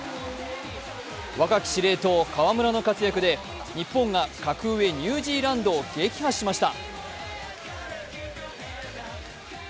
若き指令塔・河村の活躍で日本が格上ニュージーランドを撃破しました。